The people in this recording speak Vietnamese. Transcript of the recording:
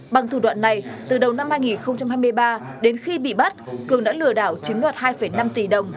bằng thủ đoạn này từ đầu năm hai nghìn hai mươi ba đến khi bị bắt cường đã lừa đảo chiếm đoạt hai năm tỷ đồng